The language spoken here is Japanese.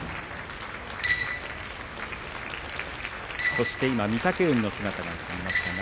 そして今、御嶽海の姿があります。